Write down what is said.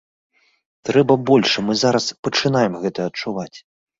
Трэба больш, і мы зараз пачынаем гэта адчуваць.